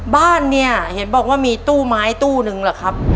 บ้านเนี่ยเห็นบอกว่ามีตู้ไม้ตู้นึงเหรอครับ